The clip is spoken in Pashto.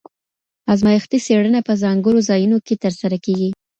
ازمایښتي څېړنه په ځانګړو ځایونو کې ترسره کېږي.